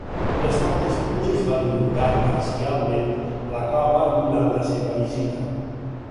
Les fortes pluges van inundar parcialment la cova durant la seva visita.